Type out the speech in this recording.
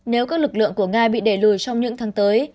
nếu các lực lượng của nga bị đẩy lùi trong những tháng tới